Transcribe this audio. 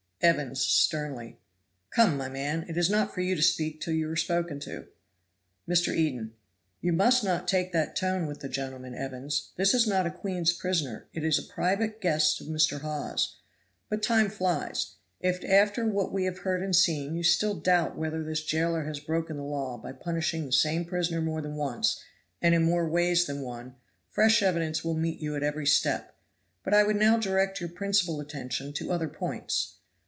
Evans (sternly). "Come, my man, it is not for you to speak till you are spoken to." Mr. Eden. "You must not take that tone with the gentleman, Evans this is not a queen's prisoner, it is a private guest of Mr. Hawes. But time flies. If after what we have heard and seen, you still doubt whether this jailer has broken the law by punishing the same prisoner more than once and in more ways than one, fresh evidence will meet you at every step; but I would now direct your principal attention to other points.